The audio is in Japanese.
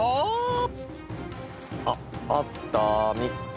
あっあった。